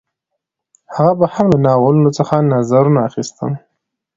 هغه به هم له ناولونو څخه نظرونه اخیستل